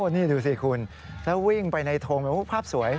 นี่ดูสิคุณแล้ววิ่งไปในทงภาพสวย